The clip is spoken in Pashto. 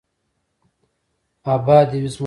اباد دې وي زموږ وطن.